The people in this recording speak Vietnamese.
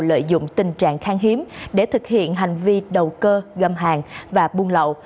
lợi dụng tình trạng khang hiếm để thực hiện hành vi đầu cơ găm hàng và buôn lậu